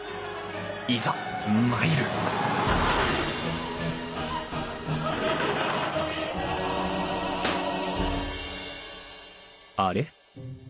いざ参るあれ？